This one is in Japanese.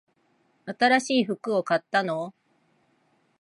新しい服を買ったの？